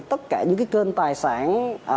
tất cả những cái kênh tài sản